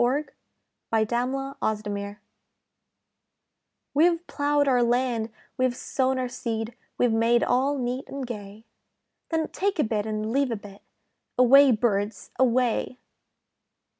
THE BIRD SCARER'S SONG We've ploughed our land, we've sown our seed, We've made all neat and gay; Then take a bit and leave a bit, Away, birds, away!